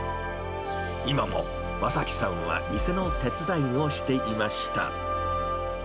今も正樹さんは店の手伝いをしていました。